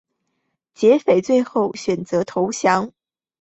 劫匪最后选择投降。